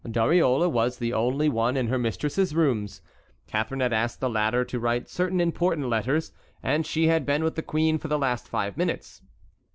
Dariole was the only one in her mistress's rooms. Catharine had asked the latter to write certain important letters, and she had been with the queen for the last five minutes.